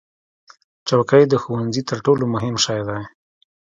چوکۍ د ښوونځي تر ټولو مهم شی دی.